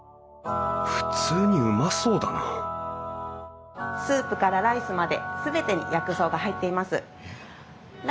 普通にうまそうだなスープからライスまで全てに薬草が入っています。